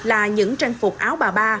là những trang phục áo bà ba